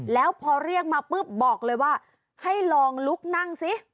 แล้วพอเรียกมาปุ๊บบอกเลยว่าให้ลองลุกนั่งสิ